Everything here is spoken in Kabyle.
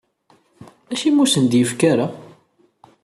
Acimi ur asen-d-yefki ara?